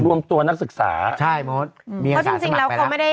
รวมตัวนักศึกษาใช่โมทมีอาสาสมัครไปแล้วเพราะจริงจริงแล้วเขาไม่ได้